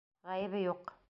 Ғәйебе юҡ?!.